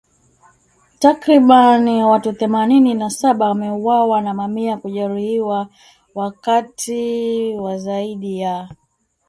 Takribani watu themanini na saba wameuawa na mamia kujeruhiwa wakati wa zaidi ya